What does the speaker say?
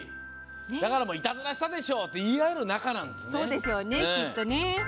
だからもういたずらしたでしょ！って言い合える仲なんですよね。